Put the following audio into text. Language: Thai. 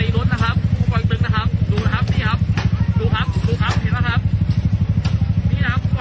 ดูดิ